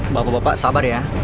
bapak bapak sabar ya